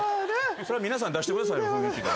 それは皆さん出してください雰囲気で。